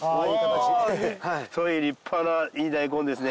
太い立派ないい大根ですね。